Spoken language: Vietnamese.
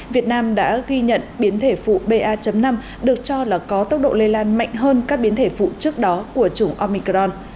việt nam đã ghi nhận biến thể phụ ba năm được cho là có tốc độ lây lan mạnh hơn các biến thể phụ trước đó của chủng omicron